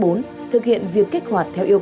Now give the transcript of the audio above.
bước năm thực hiện việc kết hoạt theo yêu cầu